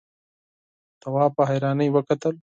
تواب په حيرانۍ وکتل.